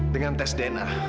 dengan tes dna